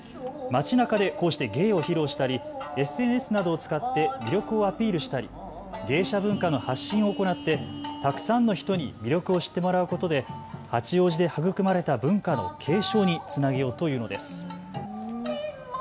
街なかでこうして芸を披露したりＳＮＳなどを使って魅力をアピールしたり芸者文化の発信を行ってたくさんの人に魅力を知ってもらうことで八王子で育まれた文化の継承につなげようというのです。